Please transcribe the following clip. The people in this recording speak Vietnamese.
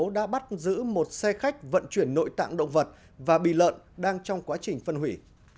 đã bắt giữ một xe khách vận chuyển nội tạng động vật và bì lợn đang trong quá trình phân hủy